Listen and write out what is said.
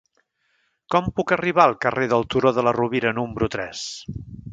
Com puc arribar al carrer del Turó de la Rovira número tres?